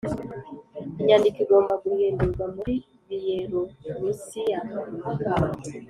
inyandiko igomba guhindurwa muri biyelorusiya.